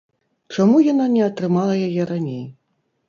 Чаму яна не атрымала яе раней?